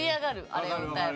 あれを歌えば。